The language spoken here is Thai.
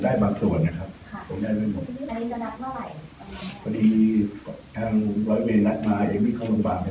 แต่สิ่งคนนี้คือยังมีตัวตนแล้วไม่ให้หนีไปไหนครับ